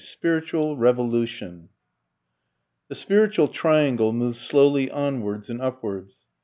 III. SPIRITUAL REVOLUTION The spiritual triangle moves slowly onwards and upwards.